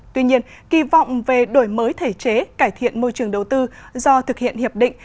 tuy nhiên kỳ vọng về đổi mới thể chế cải thiện môi trường đầu tư do thực hiện hiệp định